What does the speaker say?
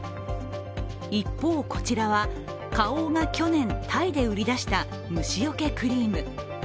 一方、こちらは花王が去年タイで売り出した虫よけクリーム。